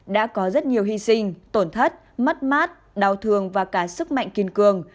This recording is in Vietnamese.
đã có rất nhiều hy sinh tổn thất mất mát đau thương và cả sức mạnh kiên cường